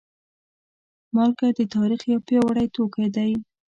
مالګه د تاریخ یو پیاوړی توکی دی.